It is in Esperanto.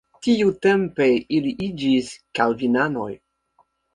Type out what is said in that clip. Tiutempe ili iĝis kalvinanoj.